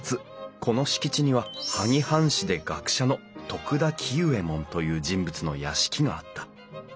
この敷地には萩藩士で学者の徳田喜右衛門という人物の屋敷があった。